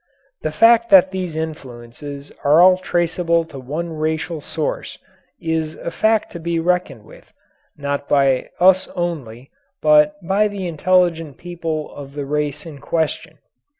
The fact that these influences are all traceable to one racial source is a fact to be reckoned with, not by us only, but by the intelligent people of the race in question.